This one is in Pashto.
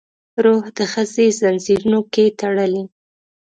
روح د ښځې ځنځیرونو کې تړلی